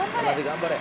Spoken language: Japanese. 頑張れ！」